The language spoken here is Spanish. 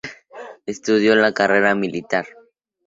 Estudió la carrera militar.